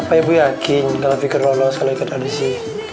apa ibu yakin kalau fikur lolos kalau ikut audisi